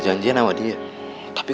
jangan terus rempokin namanya